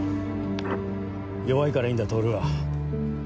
弱いからいいんだ透は。